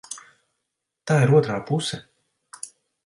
Tā ir otrā puse.